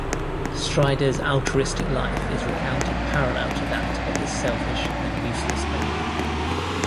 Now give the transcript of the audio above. Strider's altruistic life is recounted parallel to that of his selfish and useless owner.